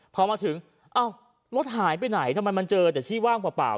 พอมาถึงอ้าวรถหายไปไหนทำไมมันเจอแต่ที่ว่างเปล่า